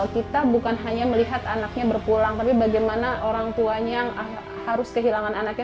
kita bukan hanya melihat anaknya berpulang tapi bagaimana orang tuanya yang harus kehilangan anaknya